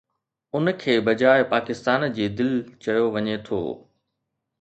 ان کي بجاءِ پاڪستان جي دل چيو وڃي ٿو